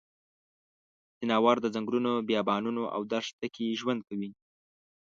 ځناور د ځنګلونو، بیابانونو او دښته کې ژوند کوي.